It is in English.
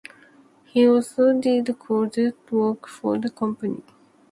He also did colorist work for the company.